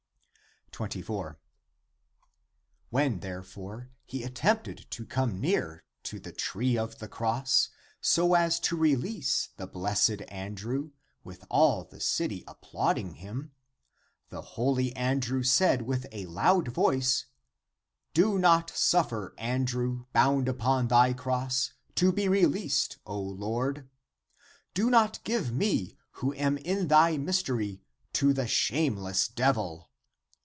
24. (p. 31). When, therefore, he attempted to come near to the tree of the cross, so as to release the blessed Andrew, with all the city applauding him, the holy Andrew said with a loud voice, " Do not suffer, Andrew, bound upon thy cross, to be released, O Lord ! Do not give me who am in thy mystery to the shameless devil